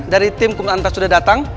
dari tim kun anta sudah datang